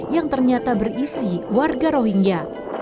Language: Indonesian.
yang ternyata berisi warga rohingya